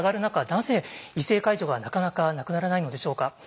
なぜ異性介助がなかなかなくならないのでしょうか。